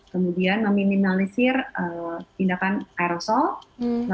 kemudian meminimalisir tindakan aerosol